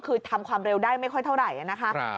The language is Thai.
คือทำความเร็วได้ไม่ค่อยเท่าไหร่นะคะ